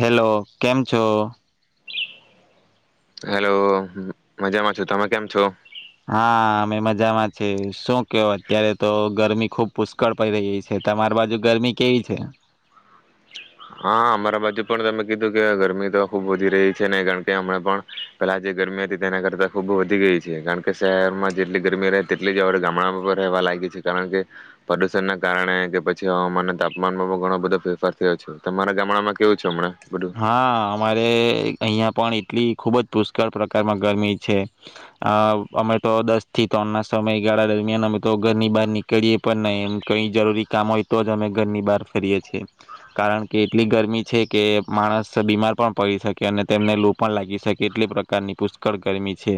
Hello કેમ છો? Hello મજામાં છું. તમે કેમ છો? હા અમે મજામાં છે શું કયો? અત્યારે તો ગરમી ખુબ પુષ્કળ પડી રહી છે. તમારી બાજુ ગરમી કેવી છે? હા, અમારા બાજુ પણ તમે કીધું કે ગરમી તો ખુબ વધી રહી છે ને કારણ કે, હમણાં પણ પેલા જે ગરમી હતી તેના કરતા ખૂબ વધી ગઈ છે. કારણ કે, શહેરમાં જેટલી ગરમી રહે તેટલી જ આપણા ગામડામાં પણ રહેવા લાગી છે. કારણ કે પ્રદુષણના કારણે કે પછી હવામાનના તાપમાનમાં પણ ઘણો બધો ફેરફાર થયો છે. તમારા ગામડામાં કેવું છે હમણાં? બધું હા અમારે અહીંયા પણ, એટલી ખૂબ જ પુષ્કળ પ્રકારમાં ગરમી છે. અ અમે તો દસ થી ત્રણના સમયગાળા દરમિયાન અમે તો, ઘરની બહાર નીકળીએ પણ નહીં એમ કઈ જરૂરી કામ હોય તો જ અમે ઘરની બહાર ફરીએ છીએ. કારણ કે એટલી ગરમી છે કે માણસ બીમાર પણ પડી શકે. અને તેમને લુ પણ લાગી શકે એટલી પ્રકારની પુષ્કળ ગરમી છે.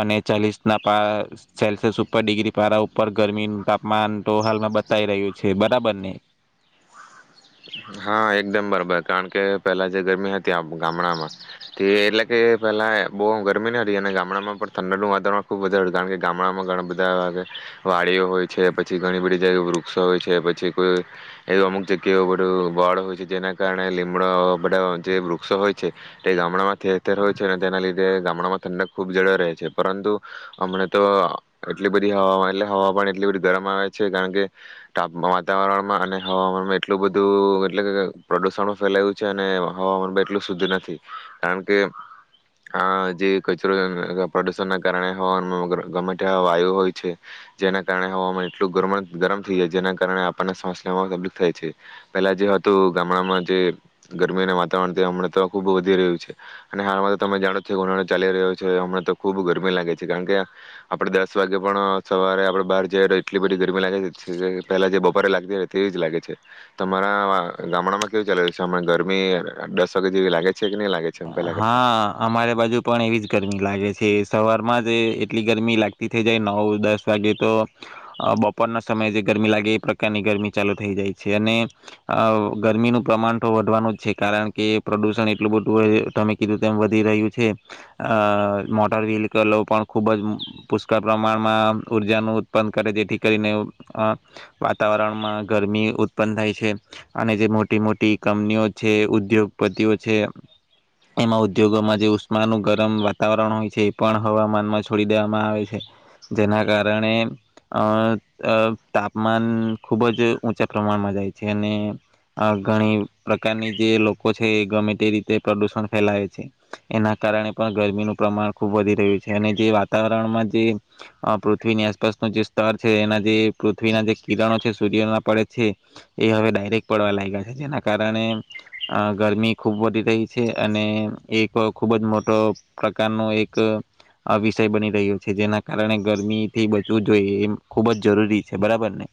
અને ચાલીસ ના પા સેલ્સિયસ ઉપર ડિગ્રી પારા ઉપર ગરમીનું તાપમાન તો હાલમાં બતાઈ રહ્યું છે બરાબર ને? હા, એકદમ બરાબર કારણ કે પેલા જે ગરમી હતી, આમ ગામડામાં તે એટલે કે પેલા બહુ ગરમી ન હતી અને ગામડામાં પણ ઠંડકનું વાતાવરણ ખુબ વધારે હતું કારણ કે ગામડામાં ઘણા બધા વાડીઓ હોય છે. પછી ઘણી બધી જગ્યાએ વૃક્ષો હોય છે. પછી કોઈ એવી અમુક જગ્યાઓ લીમડો, વડ હોય છે. જેના કારણે લીમડો બધા જે વૃક્ષો હોય છે તે ગામડામાં ઠેર ઠેર હોય છે. અને તેના લીધે ગામડામાં ઠંડક ખૂબ જળવાઈ રહે છે. પરંતુ હમણા તો એટલી બધી હ એટલે હવા પણ એટલી બધી ગરમ આવે છે. કારણ કે તાપમાં વાતાવરણમાં અને હવામાનમાં એટલું બધું તો એટલે કે પ્રદુષણ ફેલાયું છે. અને હવામાન બી એટલું શુદ્ધ નથી. કારણ કે, આ જે કચરો પ્રદુષણના કારણે હવામાન ગમે ત્યાં વાયુ હોય છે. જેના કારણે, હવામાન એટલું ગરમ થઈ જાય જેના કારણે આપણને શ્વાસ લેવામાં તકલીફ થાય છે. પેલા, જે હતું ગામડામાં જે ગરમીના વાતાવરણ તે હમણાં તો ખુબ વધી રહ્યું છે. અને હાલમાં તો તમે જાણો જ છો કે ઉનાળો ચાલી રહ્યો છે, હમણાં તો ખુબ ગરમી લાગે છે કારણ કે આપણે દસ વાગે પણ સવારે આપણે બહાર જઈએ તો એટલી બધી ગરમી લાગે પહેલા જે બપોરે લાગતી હોય તેવી જ લાગે છે. તમારા ગામડામાં કેવું ચાલી રહ્યું છે? હમણાં ગરમી દસ વાગ્યા જેવી લાગે છે કે નહી લાગે? છે એમ પહેલાં કરતાં હા, અમારે બાજુ પણ એવી જ ગરમી લાગે છે. સવારમાં જ એટલી ગરમી લાગતી થઈ જાય નવ દસ વાગે તો અ બપોરના સમયે જે ગરમી લાગે એ પ્રકારની ગરમી ચાલુ થઈ જાય છે. અને અ ગરમીનું પ્રમાણ તો વધવાનું જ છે કારણ કે, પ્રદુષણ એટલું બધું તમે કીધું તેમ વધી રહ્યું છે. અ મોટર વ્હીકલો પણ ખુબ જ પુષ્કળ પ્રમાણમાં ઉર્જાનું ઉત્પન્ન કરે જેથી કરીને અ વાતાવરણમાં ગરમી ઉત્પન્ન થાય છે, અને જે મોટી મોટી કંપનીઓ છે, ઉદ્યોગપતિઓ છે, એમાં ઉદ્યોગોમાં જે ઉષ્માનું ગરમ વાતાવરણ હોય છે એ પણ હવામાનમાં છોડી દેવામાં આવે છે. જેના કારણે અ તાપમાન ખૂબ જ ઊંચા પ્રમાણમાં જાય છે. અને અ ઘણી પ્રકારની જે લોકો છે એ ગમે તે રીતે પ્રદુષણ ફેલાવે છે. એના કારણે પણ ગરમીનું પ્રમાણ ખૂબ વધી રહ્યું છે. અને જે વાતાવરણમાં જે અ પૃથ્વીની આસપાસનું જે સ્તર છે એના જે પૃથ્વીના જે કિરણો છે સૂર્યમાં પડે છે એ હવે ડાયરેક્ટ પડવા લાગ્યા છે, જેના કારણે અ ગરમી ખૂબ વધી રહી છે. અને એક ખૂબ જ મોટો પ્રકારનો એક અ વિષય બની રહ્યો છે. જેના કારણે ગરમીથી બચવું જોઈએ એમ ખૂબ જ જરૂરી છે. બરાબર ને?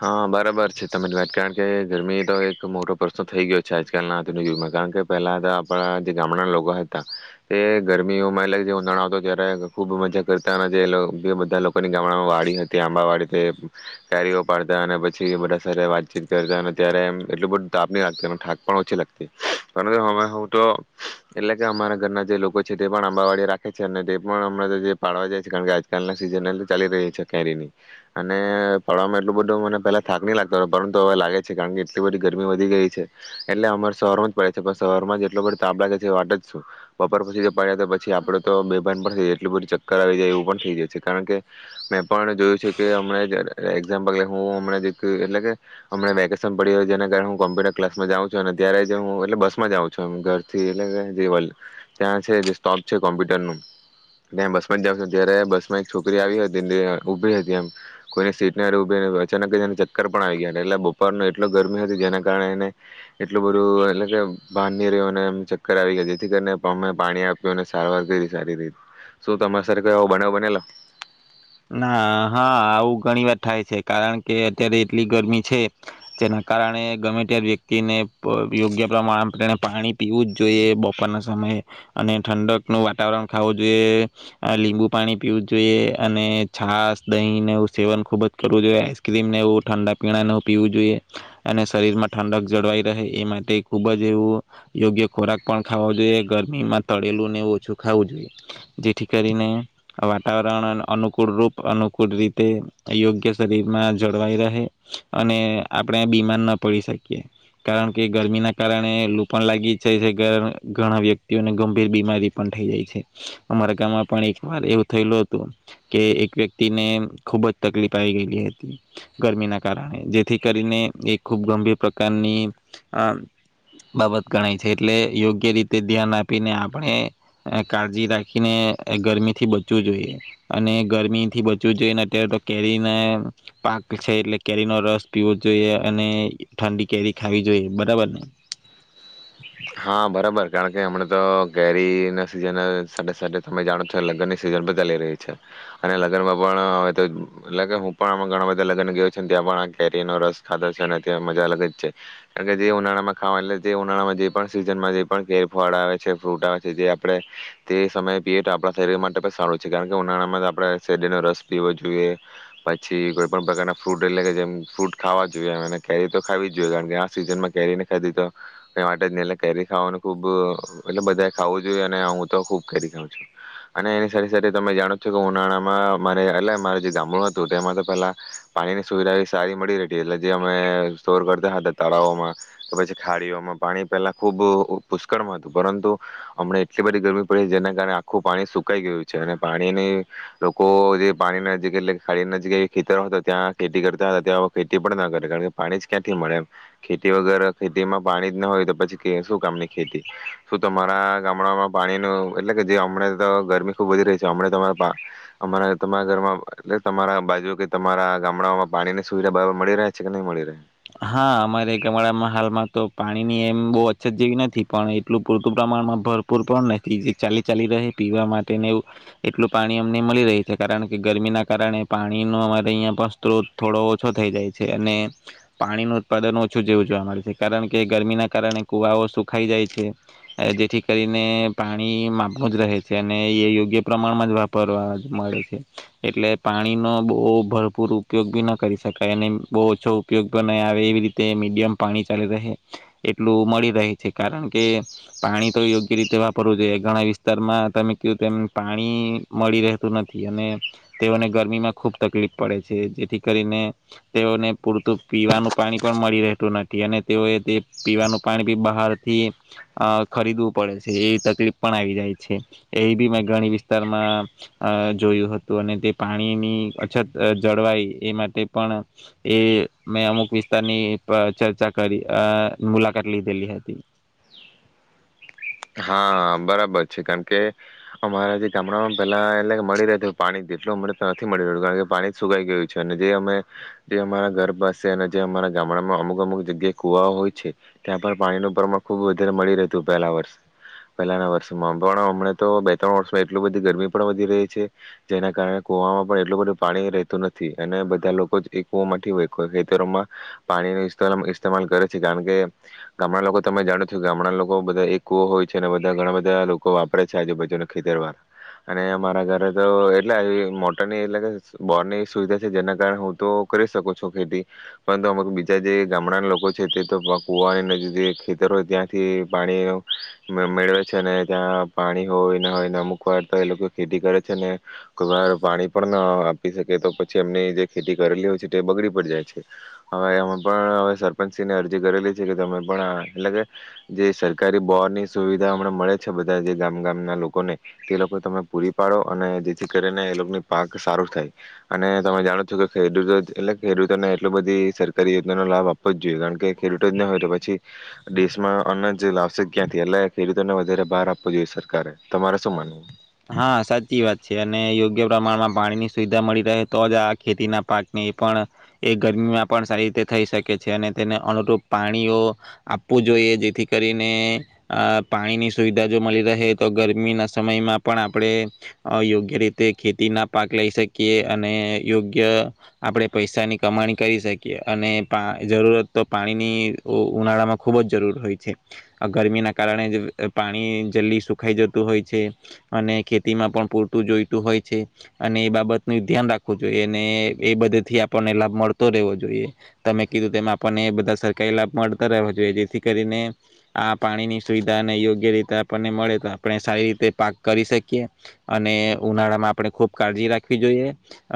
હા, બરાબર છે તમારી વાત કારણ કે ગરમી તો એક મોટો પ્રશ્ન થઈ ગયો છે. આજકાલના આધુનિક યુગમાં કારણ કે પહેલા તો આપણા જે ગામડાના લોકો હતા તે ગરમીઓમાં એટલે કે જે ઉનાળો આવતો ત્યારે ખુબ મજા કરતા અને જે બધા લોકોની ગામડામાં વાડી હતી આંબા વાડી તે કેરીઓ પાડતા અને પછી બધા સાથે વાતચીત કરતા અને ત્યારે એમ એટલું બધુ તાપ ની લાગતી થાક પણ ઓછી લાગતી. કારણ કે હવે હું તો એટલે કે અમારા ઘરના જે લોકો છે તે પણ આંબાવાડી રાખે છે અને તે પણ હમણાં તો જે પાડવા જાય છે. કારણ કે આજકાલના સીઝન એ ચાલી રહી છે કેરીની અને પાડવામાં એટલું બધું મને પેલા થાક નહી લાગતો. પરંતુ હવે લાગે છે કારણ કે, એટલી બધી ગરમી વધી ગઈ છે. એટલે અમારે સવારમાં જ પડે છે પણ સવારમાં જ એટલો બધો તાપ લાગે છે વાટ જ શું. બપોર પછી જે પડ્યા તો પછી આપડે તો બેભાન પણ થઈ એટલુ બધું ચક્કર આવી જાય એવું પણ થઈ જાય છે. કારણ કે મેં પણ જોયું છે કે હમણાં [inaudible] એક્ઝામ્પલ કે હું હમણાં જ એક એટલે કે હમણાં વેકેશન પડી હોય જેના કારણે હું કોમ્પ્યુટર ક્લાસમાં જાઉં છું. અને ત્યારે જ હું એટલે બસ માં જાઉં છું એમ ઘરથી એટલે કે રિવલ ત્યાં છે જે સ્ટોપ છે કોમ્પ્યુટરનું ત્યાં બસમાં જ જાઉં છું. ત્યારે બસ માં એક છોકરી આવી હતી ઉભી હતી એમ કોઈની સીટ ત્યાં ઉભી રહી ને, અચાનક જ એને ચક્કર પણ આવી ગયા. એટલે બપોર નો એટલો ગરમી હતી જેના કારણે એને એટલું બધું એટલે કે ભાન ની રહ્યું અને અને આમ ચક્કર આવી ગયા જેથી કરીને અમે પાણી આપ્યું અને સારવાર કરી સારી રીતે. શું તમારે સાથે આવો કોઈ બનાવ બનેલો? ના હા આવું ઘણી વાર થાય છે. કારણ કે, અત્યારે એટલી ગરમી છે જેના કારણે ગમે ત્યારે વ્યક્તિને યોગ્ય પ્રમાણ પાણી પીવું જ જોઈએ. બપોરના સમયે અને ઠંડકનું વાતાવરણ ખાવું જોઈએ. લીંબુ પાણી પીવું જ જોઈએ. અને છાસ, દહીંને એવું સેવન ખુબ જ કરવું જોઈએ. આઈસક્રીમ ને એવું ઠંડા પીણાને પીવું જોઈએ. અને શરીર માં ઠંડક જળવાઈ રહે એ માટે ખુબ જ એવું યોગ્ય ખોરાક પણ ખાવો જોઈએ. ગરમીમાં તળેલું ને ઓછું ખાવું જોઈએ. જેથી કરીને વાતાવરણ અનુ કુળ રૂપ અનુકૂળ રીતે યોગ્ય શરીરમાં જળવાઈ રહે અને આપણે બીમાર ના પડી શકીએ. કારણ કે ગરમી ના કારણે લું પણ લાગી જાય છે. ઘણા વ્યક્તિઓને ગંભીર બીમારી પણ થઈ જાય છે. અમારા ગામમાં પણ એક વાર એવું થયેલું હતું. કે એક વ્યક્તિને ખુબ જ તકલીફ આવી ગયેલી હતી. ગરમીના કારણે જેથી કરીને એ ખૂબ ગંભીર પ્રકારની અ બાબત ગણાય છે. એટલે યોગ્ય રીતે ધ્યાન આપીને આપણે કાળજી રાખીને ગરમીથી બચવું જોઈએ. અને ગરમીથી બચવું જોઈએ ને અત્યારે તો કેરી ના પાક છે એટલે કેરીનો રસ પીવો જ જોઈએ. અને ઠંડી કેરી ખાવી જોઈએ. બરાબર ને? હા, બરાબર કારણ કે હમણા તો કેરી ના સીઝન સાથે સાથે તમે જાણો જ છો કે લગ્નની સિઝન પણ ચાલી રહી છે. અને લગ્નમાં પણ હવે તો એટલે કે હું પણ આ ઘણા બધા લગ્ન ગયો છું ને ત્યાં પણ આ કેરીનો રસ ખાધો છે અને ત્યાં મજા અલગ જ છે. કારણ કે જે ઉનાળામાં ખાવાની એટલે જે, ઉનાળામાં જે પણ સીઝનમાં જે પણ કેરી ફળ આવે છે ફ્રૂટ આવે છે તે આપણે તે સમયે પીએ તો આપણા શરીર માટે પણ સારું છે કારણ કે ઉનાળામાં તો આપડે શેરડીનો રસ પીવો જોઈએ પછી કોઈ પણ પ્રકારના ફ્રૂટ એટલે કે જેમ ફ્રૂટ ખાવા જોઈએ અને કેરી તો ખાવી જ જોઈએ. કારણ કે આ સિઝનમાં કેરી નહીં ખાધી તો એટલે કેરી ખાવાનું ખુબ એટલે બધાએ ખાવું જોઈએ. અને હું તો ખુબ કેરી ખાઉં છું અને એની સાથે સાથે તમે જાણો જ છો કે ઉનાળામાં મારે એટલે મારે જે ગામડું હતું તેમાં તો પેલા પાણીની સુવિધા એવી સારી મળી રેતી એટલે જે અમે સ્ટોર કરતા હતા તળાવોમાં કે પછી ખાડીઓમાં પાણી પેલા ખૂબ પુષ્કળમાં હતું પરંતુ હમણા એટલી બધી ગરમી પડી જેના કારણે આખું પાણી સુકાઈ ગયું છે અને પાણીની લોકો જે પાણી નજીક એટલે ખાડી નજીક ખેતરમાં હતા ત્યાં ખેતી કરતા હતા ત્યાં હવે ખેતી પણ ના કરે કારણ કે પાણી જ ક્યાંથી મળે એમ ખેતી વગર ખેતીમાં પાણી જ ના હોય તો પછી કે શું કામની ખેતી શું તમારા ગામડાઓમાં પાણીનું એટલે કે જે હમણાં તો ગરમી ખુબ વધી રહી છે હમણાં તમા પા હમણાં તમારા ઘરમાં એટલે કે તમારા બાજુ કે તમારા ગામડાઓમાં પાણીની સુવિધા બરાબર મળી રહે છે કે નહી મળી રે? હા અમારે ગામડામાં હાલમાં તો પાણીની એમ બહુ અછત જેવી નથી પણ એટલું પૂરતું પ્રમાણમાં ભરપૂર પણ નથી જે ચાલી ચાલી રહે પીવા માટેને એવુ એટલું પાણી અમને મળી રહી છે કારણ કે ગરમીના કારણે પાણીનો અમારે અહીંયા પણ સ્ત્રોત થોડો ઓછો થઈ જાય છે અને પાણીનું ઉત્પાદન ઓછું જેવું જોવા મળે છે કારણ કે ગરમીના કારણે કુવાઓ સુખાઈ જાય છે જેથી કરીને પાણી માપનું જ રહે છે અને એ યોગ્ય પ્રમાણમાં જ વાપરવા મળે છે એટલે પાણીનો બહુ ભરપૂર ઉપયોગ બી ન કરી શકાય અને બહુ ઓછો ઉપયોગ આવે એવી રીતે મીડિયમ પાણી ચાલી રહે એટલું મળી રહે છે કારણ કે પાણી તો યોગ્ય રીતે વાપરવું જોઈએ ઘણા વિસ્તારમાં તમે ક્યો તેમ પાણી મળી રહેતું નથી અને તેઓને ગરમીમાં ખુબ તકલીફ પડે છે જેથી કરીને તેઓને પૂરતું પીવાનું પાણી પણ મળી રહેતું નથી અને તેઓએ તે પીવાનું પાણી બી બહારથી અ ખરીદવું પડે છે એ તકલીફ પણ આવી જાય છે એ બી મેં ઘણી વિસ્તારમાં જોયું હતું અને તે પાણીની અછત જળવાય એ માટે પણ એ મેં અમુક વિસ્તારની ચર્ચા કરી અ મુલાકાત લીધેલી હતી. હા બરાબર છે કારણ કે અમારા જે ગામડામાં પેલા એટલે કે મળી રહેતું પાણી જેટલું મળી એટલુ નથી મળી રહત કારણ કે પાણી જ સુકાઈ ગયું છે. અને જે અમે જે અમારા ઘર પાસે અને જે અમારા ગામડામાં અમુક અમુક જગ્યાએ કુવા હોય છે ત્યાં પણ પાણીનું પ્રમાણ ખુબ વધારે મળી રહેતું પહેલા વર્ષે. પહેલાના વર્ષમાં પણ હમણાં તો બે ત્રણ વર્ષમાં એટલ બધી ગરમી પણ વધી રહી છે જેના કારણે કુવામાં પણ એટલું બધું પાણી રહેતું નથી અને બધા લોકો જ એ કુ થી હોય ખેતરોમાં પાણી નો ઈસ્ટમાં ઇસ્માલ કરે છે કારણ કે ગામડા લોકો તમે જાણો છો ગામડા લોકો બધા એક કુવ હોય. છે ને બધા ઘણા બધા લોકો વાપરે છે આજુબાજુના ખેતર વાર અને અમારા ઘરે તો એટલે મોટરની એટલે કે બોરની સુવિધા છે જેના કારણે હું તો કરી શકું છું ખેતી પરંતુ અમાર બીજા જે ગામડા લોકો છે તે તો કુવાની જે ખેતર હોય ત્યાંથી પાણી મેળવે છે ને ત્યાં પાણી હોય હોય ને અમુક વાર તો એ લોકો ખેતી કરે છે ને કોઈ વાર પાણી પણ ના આપી શકે તો પછી એમની જે ખેતી કરેલી હોય છે તે બગડી પડ જાય છે હવે અમે પણ હવે સરપંચ સિંને અરજી કરેલી છે કે તમે પણ એટલે કે જે સરકારી બોની સુવિધા હમણાં મળે છે બધા જે ગામ ગામના લોકોને તે લોકો તમે પૂરી પાડો અને જેથી કરીને એ લોકોની પાક સારું થાય અને તમે જાણો છો કે ખેડૂતો જ એટલે ખેડૂતોને એટલો બધી સરકારી યોજનાનો લાભ આપવો જ જોઈએ કારણ કે ખેડૂતો જ ન હોય તો પછી દેશમાં અન્નજ લાવશે ક્યાં. લા ખેડૂતો ને વધારે બહાર આપવો જોઈએ સરકારે તમારે શું માનવ? હા સાચી વાત છે અને યોગ્ય પ્રમાણમાં પાણીની સુવિધા મળી રહે તો જ આ ખેતીના પાકને એ પણ એ ગરમીમાં પણ સારી રીતે થઈ શકે છે અને તેને અનુરૂપ પાણીઓ આપવું જોઈએ જેથી કરીને અ પાણીની સુવિધા જો મળી રહે તો ગરમીના સમયમાં પણ આપણે યોગ્ય રીતે ખેતીના પાક લઈ શકીએ અને યોગ્ય આપણે પૈસાની કમાણી કરી શકીએ અને પા જરૂરત તો પાણીની ઉનાળામાં ખૂબ જ જરૂર હોય છે ગરમીના કારણે જ પાણી જલ્દી સુખાઈ જતું હોય છે. અને ખેતીમાં પણ પૂરતું જોઈતું હોય છે અને એ બાબતનું ધ્યાન રાખવું જોઈએ અને એ બધ થી આપણને લાભ મળતો રહેવો જોઈએ તમે કીધું તેમાં આપણને બધા સરકારી લાભ મળતા રહેવા જોઈએ જેથી કરીને આ પાણીની સુવિધા અને યોગ્ય રીતે આપણને મળે તો આપણે સારી રીતે પા કરી શકીએ અને ઉનાળામાં આપણે ખૂબ કાળજી રાખવી જોઈએ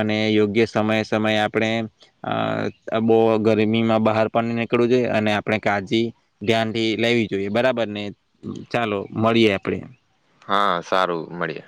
અને યોગ્ય સમયે સમયે આપણે બહ ગરમીમાં બહાર પણ નીકળવું જોઈએ અને આપણે કાળજી ધ્યાનથી લેવી જોઈએ બરાબર ને ચાલો મળીએ આપણે. હા સારું મળી.